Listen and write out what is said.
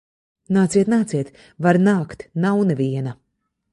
Nāciet, nāciet! Var nākt. Nav neviena.